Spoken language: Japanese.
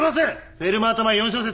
フェルマータ前４小節